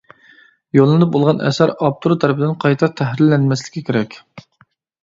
يوللىنىپ بولغان ئەسەر ئاپتور تەرىپىدىن قايتا تەھرىرلەنمەسلىكى كېرەك.